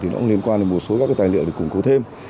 thì nó cũng liên quan đến một số các tài liệu để củng cố thêm